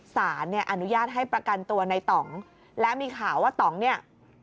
สารเนี่ยอนุญาตให้ประกันตัวในต่องและมีข่าวว่าต่องเนี่ย